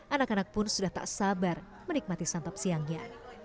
anak anak pun sudah tak sabar menikmati santap siangnya